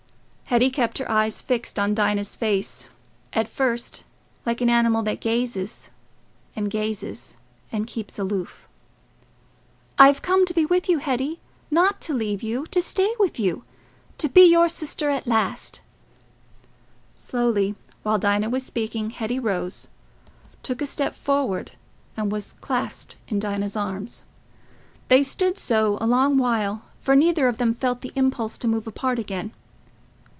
Hetty kept her eyes fixed on Dinah's face—at first like an animal that gazes, and gazes, and keeps aloof. "I'm come to be with you, Hetty—not to leave you—to stay with you—to be your sister to the last." Slowly, while Dinah was speaking, Hetty rose, took a step forward, and was clasped in Dinah's arms. They stood so a long while, for neither of them felt the impulse to move apart again.